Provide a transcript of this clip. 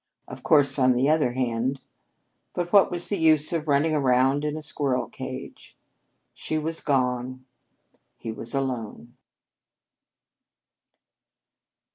Of course, on the other hand But what was the use of running around in a squirrel cage! She was gone. He was alone.